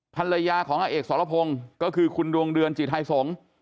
ภรรยาของอาเอกสรพงศ์ก็คือคุณดวงเดือนจิไทยสงฆ์